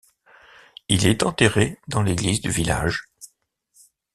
Il est enterré dans l'église du village.